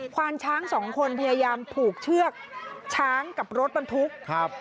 ความช้างสองคนพยายามผูกเชือกช้างกับรถบรรทุกครับ